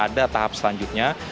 masih akan ada tahap selanjutnya